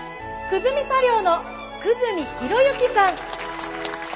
久住茶寮の久住博之さん。